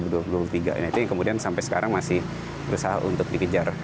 nah itu yang kemudian sampai sekarang masih berusaha untuk dikejar